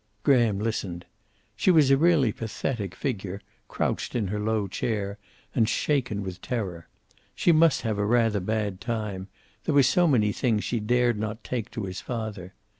Graham listened. She was a really pathetic figure, crouched in her low chair, and shaken with terror. She must have rather a bad time; there were so many things she dared not take to his father.